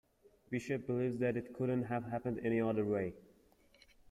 Bishop believes that it couldn't have happened any other way.